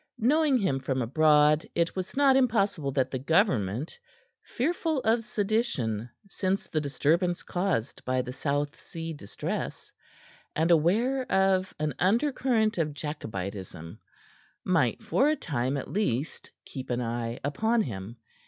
Knowing him from abroad, it was not impossible that the government fearful of sedition since the disturbance caused by the South Sea distress, and aware of an undercurrent of Jacobitism might for a time, at least, keep an eye upon him.